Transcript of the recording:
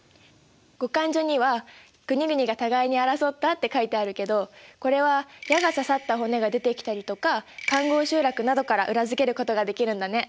「後漢書」には「国々が互いに争った」って書いてあるけどこれは矢が刺さった骨が出てきたりとか環濠集落などから裏付けることができるんだね。